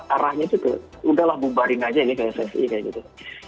arahnya itu udahlah bubarin aja ini ke pssi kayak gitu